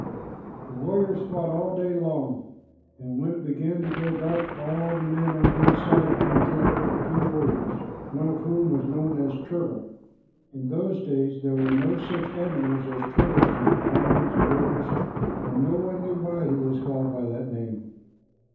The warriors fought all day long, and when it began to grow dark, all the men on one side had been killed but two warriors, one of whom was known as Turtle. In those days there were no such animals as turtles in the ponds and rivers, and no one knew why he was called by that name.